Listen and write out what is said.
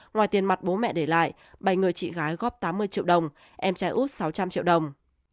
ngoài tiền mặt bố mẹ để lại bày người chị gái góp tám mươi triệu đồng em trai út sáu trăm linh triệu đồng